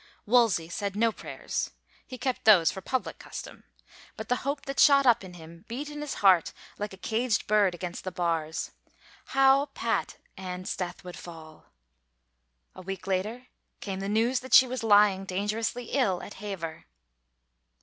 Wolsey said no prayers — he kept those for public custom — but the hope that shot up in him beat in his heart like a caged bird against the bars. How pat Anne's death would fall ! A week later came the news that she was lying danger ously ill at Hever.